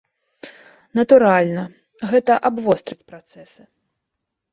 Натуральна, гэта абвострыць працэсы.